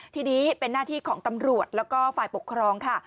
ทีนี้เป็นหน้าที่ของตำรวจแล้วก็ฝ่ายปกครองค่ะ